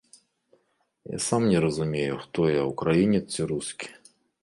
Я сам не разумею, хто я, украінец ці рускі.